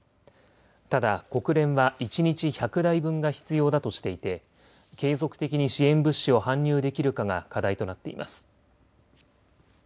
ただ国連は一日１００台分が必要だとしていて継続的に支援物資を搬入できるかが課題となっています。